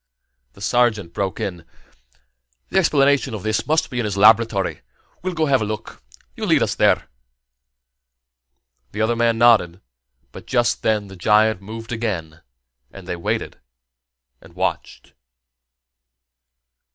The sergeant broke in: "The explanation of this must be in his laboratory. We've got to have a look. You lead us there." The other man nodded; but just then the giant moved again, and they waited and watched.